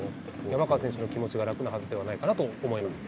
山川選手の気持ちが楽なはずではないかなと思います。